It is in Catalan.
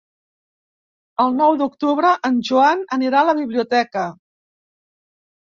El nou d'octubre en Joan anirà a la biblioteca.